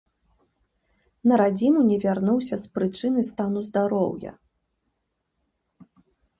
На радзіму не вярнуўся з прычыны стану здароўя.